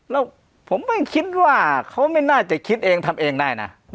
แล้วผมไม่คิดว่าเขาไม่น่าจะคิดเองทำเองได้นะ